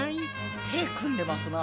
手組んでますな。